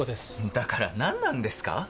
だから何なんですか